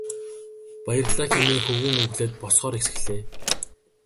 Баярлалаа хэмээн хөвгүүн өгүүлээд босохоор зэхлээ.